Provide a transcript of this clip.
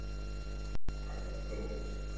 Heart of gold